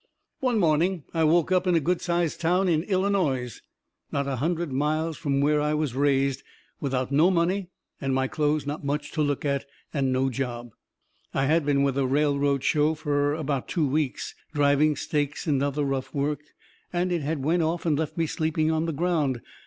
One morning I woke up in a good sized town in Illinoise, not a hundred miles from where I was raised, without no money, and my clothes not much to look at, and no job. I had been with a railroad show fur about two weeks, driving stakes and other rough work, and it had went off and left me sleeping on the ground.